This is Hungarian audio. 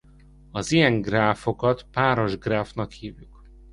Az ilyen gráfokat páros gráfnak hívjuk.